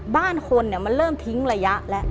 บ้านคนมันเริ่มทิ้งระยะแล้ว